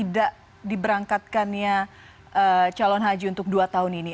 jadi bagaimana diberangkatkannya calon haji untuk dua tahun ini